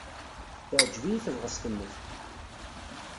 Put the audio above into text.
Teɛjeb-iyi tebɣest-nnek.